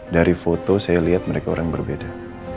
dari foto saya lihat mereka orang berbeda